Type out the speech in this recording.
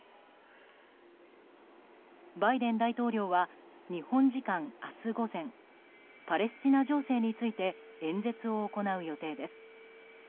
バイデン大統領は日本時間、明日午前パレスチナ情勢について演説を行う予定です。